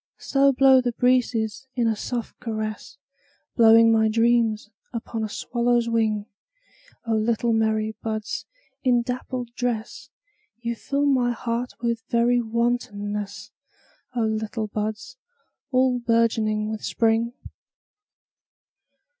So blow the breezes in a soft caress, Blowing my dreams upon a swallow's wing;O little merry buds in dappled dress, You fill my heart with very wantonness—O little buds all bourgeoning with Spring!